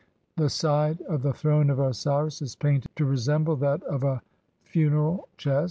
The side of the throne of Osiris is painted to rememble that of a funeral chest.